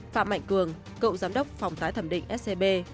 phạm mạnh cường cựu giám đốc phòng tái thẩm định scb